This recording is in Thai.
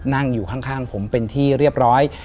นั่งอยู่ข้างผมเป็นที่เรียบร้อย